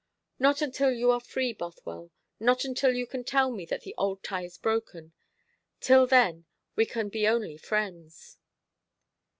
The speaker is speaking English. "Not until you are free, Bothwell; not until you can tell me that the old tie is broken. Till then we can be only friends."